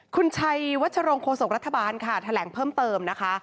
คุณชัยวัชโรงโคศกรัฐบาลค่ะแถลงเพิ่มเติมนะคะ